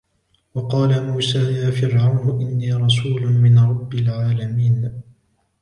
وَقَالَ مُوسَى يَا فِرْعَوْنُ إِنِّي رَسُولٌ مِنْ رَبِّ الْعَالَمِينَ